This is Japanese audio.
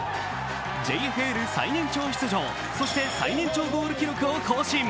ＪＦＬ最年長出場、そして最年長ゴール記録を更新。